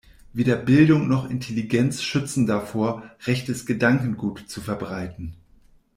Weder Bildung noch Intelligenz schützen davor, rechtes Gedankengut zu verbreiten.